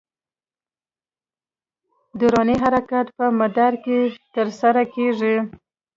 دوراني حرکت په مدار کې تر سره کېږي.